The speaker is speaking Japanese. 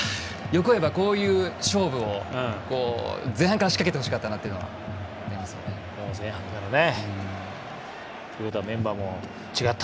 欲を言えばこういう勝負を前半から仕掛けてほしかったなっていうのがありますね。